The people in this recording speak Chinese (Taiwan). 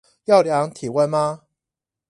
要量體溫嗎